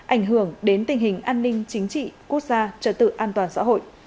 ảnh hưởng đến tình hình an ninh chính trị quốc gia trật tự an toàn xã hội